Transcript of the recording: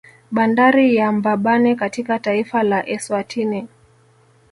Bandari ya Mbabane katika taifa la Eswatini